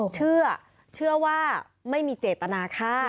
เชื่อเชื่อว่าไม่มีเจตนาค่ะ